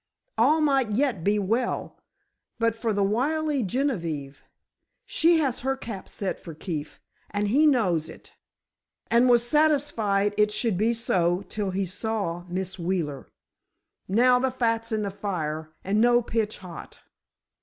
All might yet be well, but for the wily Genevieve. She has her cap set for Keefe, and he knows it, and was satisfied it should be so, till he saw Miss Wheeler. Now, the fat's in the fire, and no pitch hot."